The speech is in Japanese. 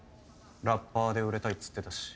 ラッパーで売れたいっつってたし。